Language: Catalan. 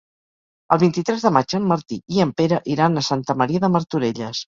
El vint-i-tres de maig en Martí i en Pere iran a Santa Maria de Martorelles.